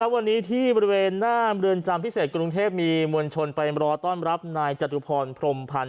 วันนี้ที่บริเวณหน้าเมืองจำพิเศษกรุงเทพมีมวลชนไปรอต้อนรับนายจตุพรพรมพันธ์